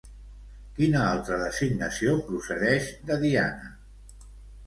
Quina altra designació procedeix de Diana?